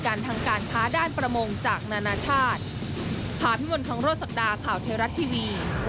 การทางการค้าด้านประมงจากนานาชาติ